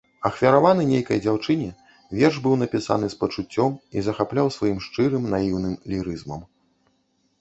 Ахвяраваны нейкай дзяўчыне, верш быў напісаны з пачуццём і захапляў сваім шчырым наіўным лірызмам.